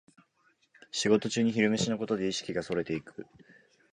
仕事中に昼飯のことで意識がそれていく